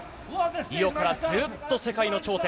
リオからずっと世界の頂点。